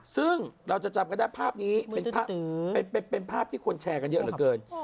ซึ่งเราจะจำกันได้ภาพนี้เป็นภาพที่คนแชร์กันเยอะเหลือเกิน